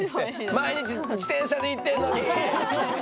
毎日自転車で行ってんのに！